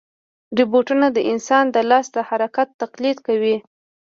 روبوټونه د انسان د لاس د حرکت تقلید کوي.